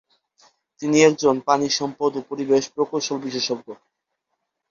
তিনি একজন পানি সম্পদ ও পরিবেশ প্রকৌশল বিশেষজ্ঞ।